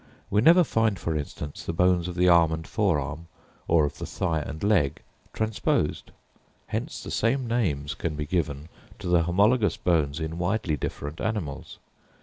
We never find, for instance, the bones of the arm and forearm, or of the thigh and leg, transposed. Hence the same names can be given to the homologous bones in widely different animals.